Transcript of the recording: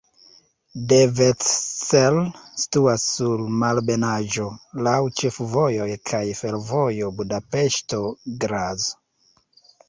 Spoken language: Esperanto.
Devecser situas sur malebenaĵo, laŭ ĉefvojoj kaj fervojo Budapeŝto-Graz.